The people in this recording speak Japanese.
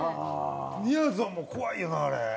みやぞんも怖いよなああれ。